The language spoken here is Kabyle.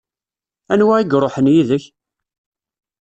Anwa i iṛuḥen yid-k?